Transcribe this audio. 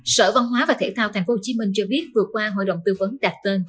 sở văn hóa và thể thao tp hcm cho biết vừa qua hội đồng tư vấn đặt tên